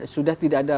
sudah tidak ada